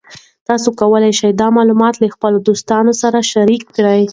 تاسو کولی شئ دا معلومات له خپلو دوستانو سره شریک کړئ.